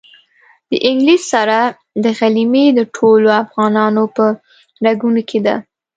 د انګلیس سره غلیمي د ټولو افغانانو په رګونو کې ده.